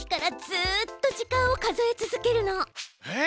えっ！